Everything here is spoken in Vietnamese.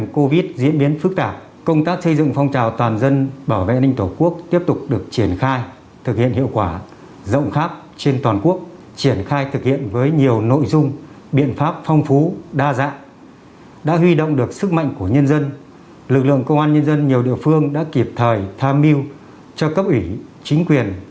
các lực lượng công an nhân dân nhiều địa phương đã kịp thời tham mưu cho cấp ủy chính quyền